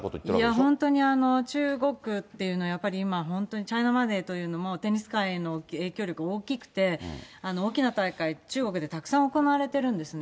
本当に中国っていうのはやっぱり今、本当にチャイナマネーというテニス界への影響力大きくて、大きな大会、中国でたくさん行われてるんですね。